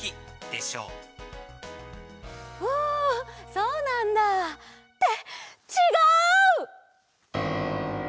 そうなんだ。ってちがう！